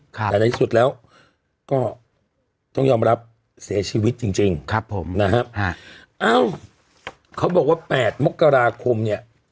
แต่ในจุดแล้วก็ต้องยอมรับเสียชีวิตจริงนะครับโอ้เขาบอกว่า๘มกราคมเนี่ย